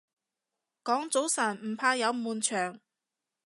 講早晨唔怕有悶場